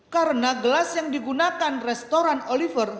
karena gelas yang digunakan restoran oliver